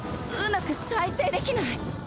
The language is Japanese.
うまく再生できない